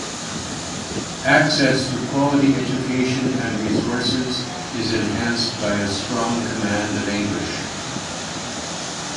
Access to quality education and resources is enhanced by a strong command of English.